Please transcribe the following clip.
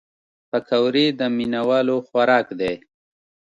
پکورې د مینهوالو خوراک دی